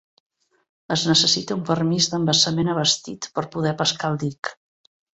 Es necessita un permís d'embassament abastit per poder pescar al dic.